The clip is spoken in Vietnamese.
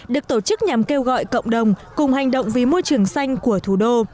được tổ chức nhằm kêu gọi cộng đồng cùng hành động vì môi trường xanh của thủ đô